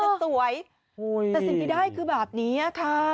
แต่สิ่งที่ได้คือแบบเนี้ยค่ะ